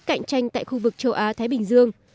cạnh tranh tại khu vực châu á thái bình dương